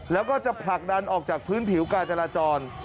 และก็จะผลักดันออกจากพื้นผิวกาลักษณภาล